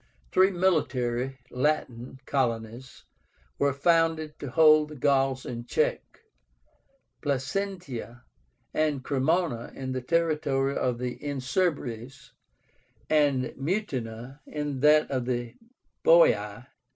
Three military (Latin) colonies were founded to hold the Gauls in check; PLACENTIA and CREMÓNA in the territory of the Insubres, and MUTINA in that of the Boii.